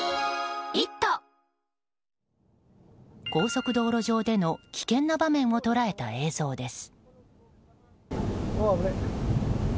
高速道路上での危険な場面を捉えた映像です。